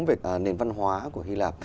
về nền văn hóa của hy lạp